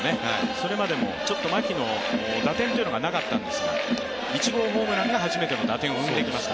それまでもちょっと牧の打点というのがなかったんですが１号ホームランが初めての打点を生んできました。